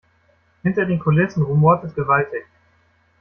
Hinter den Kulissen rumort es gewaltig.